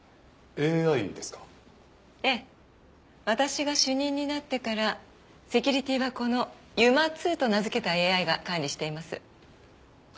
私が主任になってからセキュリティーはこのＵＭＡ−Ⅱと名付けたＡＩが管理しています。